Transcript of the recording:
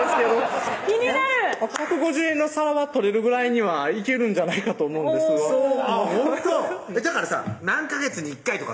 １５０円の皿は取れるぐらいにはいけるんじゃないかと思うんですがほんと！